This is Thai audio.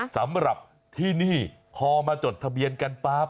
สำหรับที่นี่พอมาจดทะเบียนกันปั๊บ